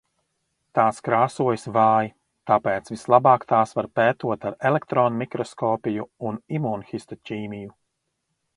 Tās krāsojas vāji, tāpēc vislabāk tās var pētot ar elektronmikroskopiju un imūnhistoķīmiju.